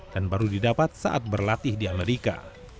dan baru didapat saat berlatih di amerika